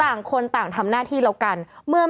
พี่ขับรถไปเจอแบบ